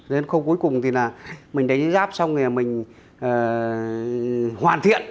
đến khâu cuối cùng thì là mình đánh giáp xong rồi mình hoàn thiện